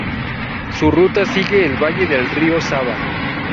Su ruta sigue el valle del río Sava.